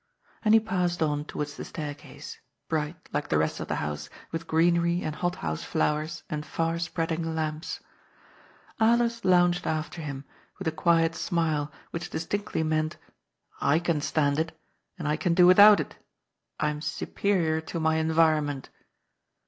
And he passed on towards the staircase, bright, like the rest of the house, with greenery and hothouse flowers and far spreading lamps. Alers lounged after him, with a quiet smile, which dis tinctly meant :^* I can stand it. And I can do without it. I am superior to my environment."